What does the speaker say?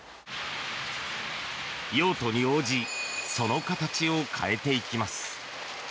用途に応じその形を変えていきます。